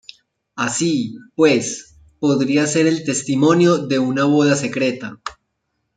Así, pues, podría ser el testimonio de una boda secreta.